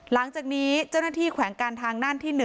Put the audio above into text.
หลังจากนี้เจ้าหน้าที่แขวงการทางน่านที่๑